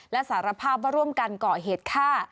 และสารภาพว่าร่วมกันก่อเหตุฆ่า